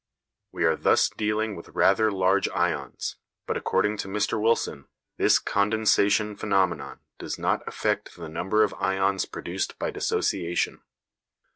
We are thus dealing with rather large ions, but according to Mr Wilson, this condensation phenomenon does not affect the number of ions produced by dissociation.